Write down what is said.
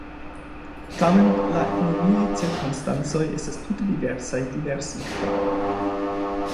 Tamen la ekonomiaj cirkonstancoj estas tute diversaj diversloke.